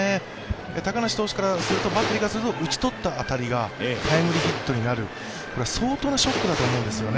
高梨投手からすると、バッテリーからすると打ち取った当たりがタイムリーヒットにいなる、相当なショックだと思うんですよね。